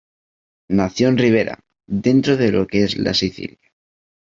Nació en Ribera, dentro de lo que es la Sicilia.